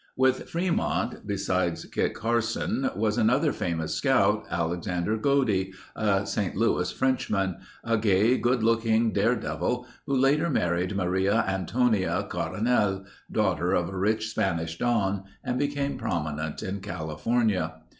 With Fremont, besides Kit Carson, was another famed scout, Alexander Godey, a St. Louis Frenchman—a gay, good looking dare devil who later married Maria Antonia Coronel, daughter of a rich Spanish don and became prominent in California.